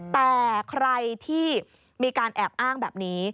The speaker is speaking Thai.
แต่ใครที่มีการแอบอ้างแบบนี้